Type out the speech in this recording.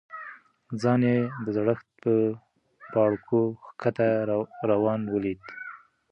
ځان یې د زړښت په پاړکو ښکته روان ولید.